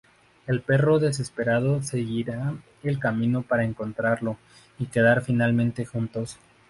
El perro desesperado seguirá el camino para encontrarlo y quedar finalmente juntos.